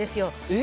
え？